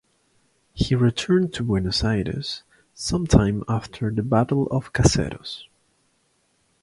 He returned to Buenos Aires some time after the Battle of Caseros.